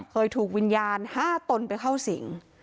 เคยถูกวิญญาณ๕ตนไปเข้าสิง